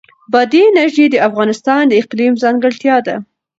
بادي انرژي د افغانستان د اقلیم ځانګړتیا ده.